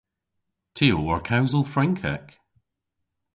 Ty a wor kewsel Frynkek.